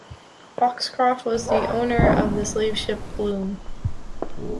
Foxcroft was the owner of the slave ship "Bloom".